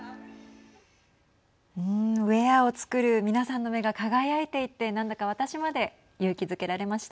ウエアを作る皆さんの目が輝いていて何だか私まで勇気づけられました。